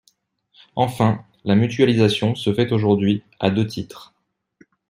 Enfin, la mutualisation se fait aujourd’hui à deux titres.